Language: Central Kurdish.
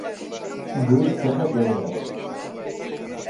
گوێی کچەکە گەورەیە!